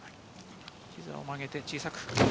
膝を曲げて小さく。